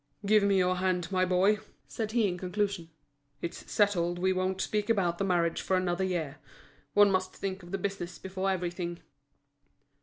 "Give me your hand, my boy," said he in conclusion. "It's settled we won't speak about the marriage for another year. One must think of the business before everything."